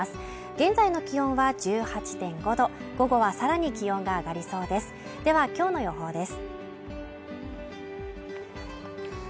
現在の気温は１８．５度午後はさらに気温が上がりそうですでは今日の予報です。